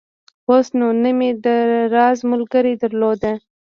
اوس نو نه مې د راز ملګرى درلود.